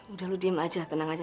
udah lu diem aja tenang aja